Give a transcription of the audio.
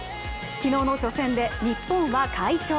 昨日の初戦で日本は快勝。